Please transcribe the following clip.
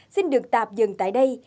xin được tạp dừng tại đây